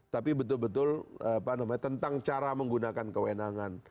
tapi betul betul tentang cara menggunakan kewenangan